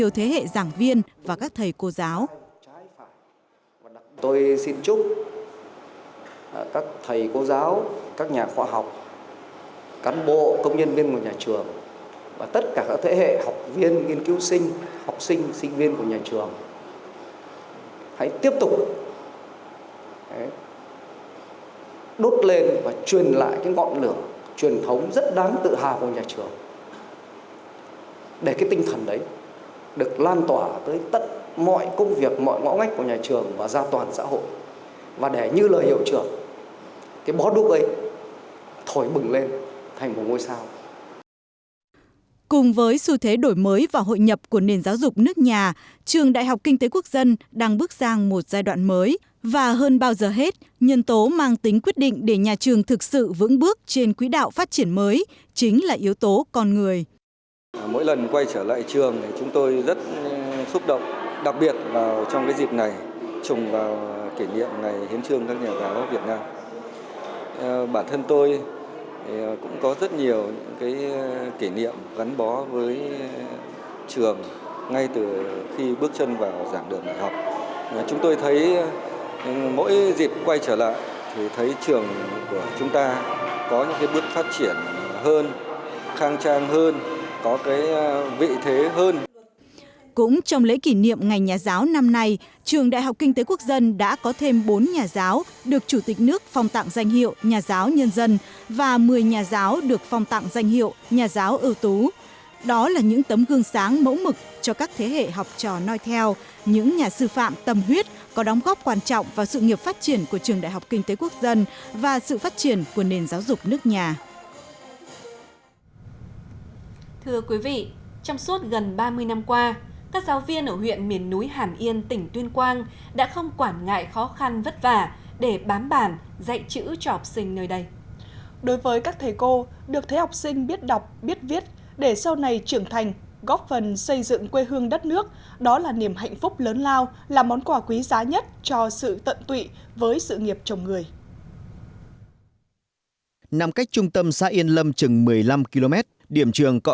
tại các điểm trường xa xôi như cọ cỏm gốc tranh các thầy cô giáo phải sống trong điều kiện ba không điện lưới không sóng điện thoại và không có chợ